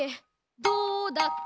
どうだっけ？